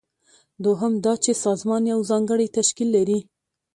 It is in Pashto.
دوهم دا چې سازمان یو ځانګړی تشکیل لري.